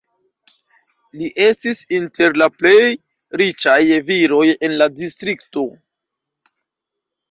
Li estis inter la plej riĉaj viroj en la distrikto.